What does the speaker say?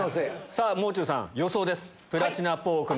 さぁ「もう中」さん予想です。